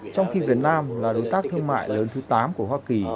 trong khi việt nam là đối tác thương mại lớn thứ tám của hoa kỳ